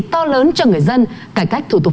to lớn cho người dân cải cách thủ tục